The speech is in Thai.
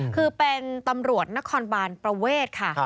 คือเป็นตำรวจนครบานประเวทค่ะ